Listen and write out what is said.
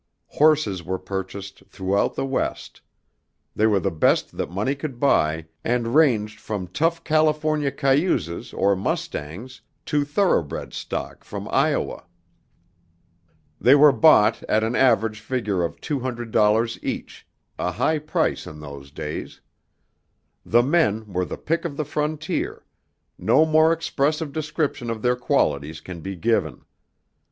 Horses were purchased throughout the West. They were the best that money could buy and ranged from tough California cayuses or mustangs to thoroughbred stock from Iowa. They were bought at an average figure of $200.00 each, a high price in those days. The men were the pick of the frontier; no more expressive description of their qualities can be given.